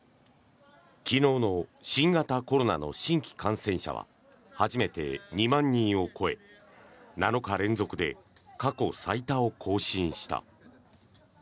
昨日、新型コロナの新規感染者は初めて２万人を超え７日連続で過去最多を更新した。